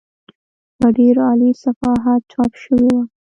په ډېر عالي صحافت چاپ شوې وه.